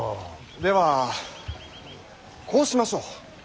ではこうしましょう。